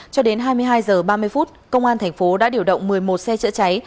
cho đến hai mươi hai h ba mươi phút công an thành phố đã điều động một mươi một xe chữa cháy